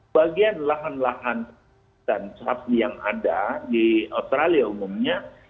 bagian lahan lahan dan sapi yang ada di australia umumnya